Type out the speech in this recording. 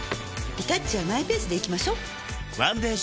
リタッチはマイペースでいきましょっワンデー